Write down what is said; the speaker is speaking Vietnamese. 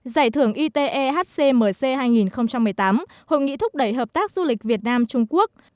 giải thưởng ite hcmc hai nghìn một mươi tám hội nghị thúc đẩy hợp tác du lịch việt nam trung quốc